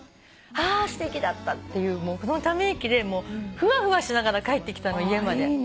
あすてきだったってため息でもうふわふわしながら帰ってきたの家まで。